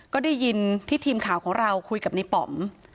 ก็ได้ยินที่ทีมข่าวของเราคุยกับในป๋อม